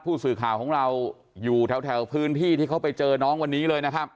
ผู้สื่อข่าวของเราอยู่แถวพื้นที่ที่เขาไปเจอน้องวันนี้เลยนะครับ